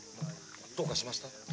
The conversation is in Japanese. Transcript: どうかしました？